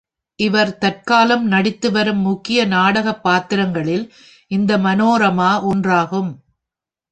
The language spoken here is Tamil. இவர் தற்காலம் நடித்து வரும் முக்கிய நாடகப் பாத்திரங்களில் இந்த மனோரமா ஒன்றாகும்.